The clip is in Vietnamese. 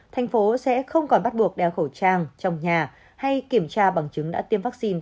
thành phố sẽ không còn bắt buộc đeo khẩu trang trong nhà hay kiểm tra bằng chứng đã tiêm vaccine